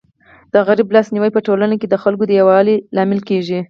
د غریب لاس نیوی په ټولنه کي د خلکو د یووالي لامل کيږي.